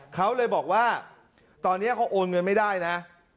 เขาเลยบอกว่าตอนนี้เขาโอนเงินไม่ได้นะ